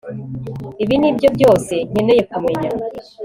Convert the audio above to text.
Ibi nibyo byose nkeneye kumenya